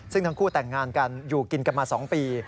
ซึ่งทั้งคู่แต่งงานกันอยู่กินกันมา๒ปี